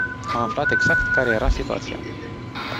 Am aflat exact care era situația.